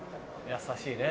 優しいね。